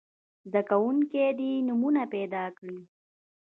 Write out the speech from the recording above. زده کوونکي دې نومونه پیداکړي.